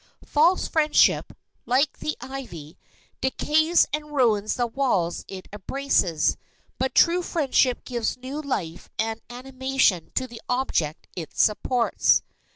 False friendship, like the ivy, decays and ruins the walls it embraces; but true friendship gives new life and animation to the object it supports.